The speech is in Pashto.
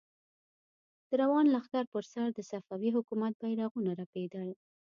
د روان لښکر پر سر د صفوي حکومت بيرغونه رپېدل.